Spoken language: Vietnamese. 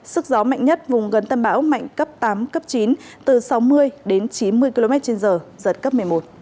sức gió mạnh nhất vùng gần tâm bão mạnh cấp tám cấp chín từ sáu mươi đến chín mươi km trên giờ giật cấp một mươi một